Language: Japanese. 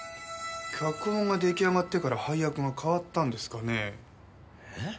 脚本が出来上がってから配役が変わったんですかね？